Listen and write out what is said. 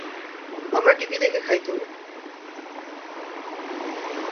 আমরা টিভি দেখে দেখে খাই তো!